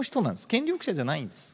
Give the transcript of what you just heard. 権力者じゃないんです。